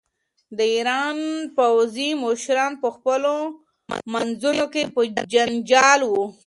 د ایران پوځي مشران په خپلو منځونو کې په جنجال وو.